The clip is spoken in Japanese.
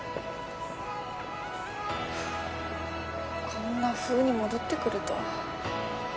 こんなふうに戻ってくるとは。